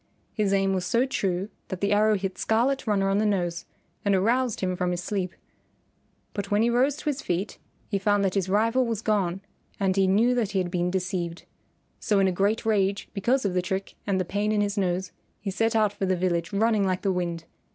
His aim was so true that the arrow hit Scarlet Runner on the nose and aroused him from his sleep. But when he rose to his feet he found that his rival was gone and he knew that he had been deceived. So in a great rage because of the trick and the pain in his nose, he set out for the village running like the wind.